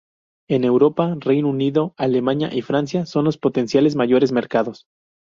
En Europa, Reino Unido, Alemania y Francia son los potenciales mayores mercados.